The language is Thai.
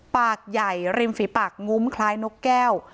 ปากใหญ่ริมฝีปากงุ้มคล้ายนกแก้ว